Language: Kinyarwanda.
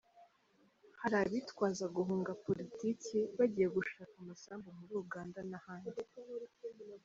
Hari abitwaza guhunga Politiki bagiye gushaka amasambu muri Uganda n’ahandi.